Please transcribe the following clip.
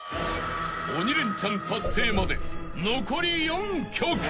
［鬼レンチャン達成まで残り４曲］